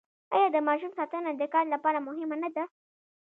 آیا د ماشوم ساتنه د کار لپاره مهمه نه ده؟